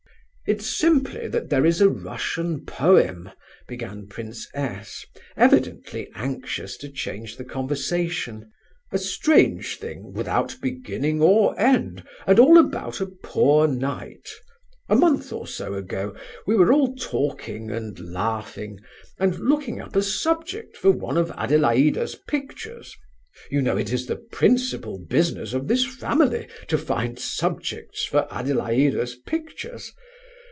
"It's simply that there is a Russian poem," began Prince S., evidently anxious to change the conversation, "a strange thing, without beginning or end, and all about a 'poor knight.' A month or so ago, we were all talking and laughing, and looking up a subject for one of Adelaida's pictures—you know it is the principal business of this family to find subjects for Adelaida's pictures.